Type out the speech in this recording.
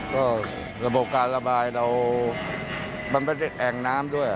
ก็ระบบการระบายเรามันไม่ได้แอ่งน้ำด้วย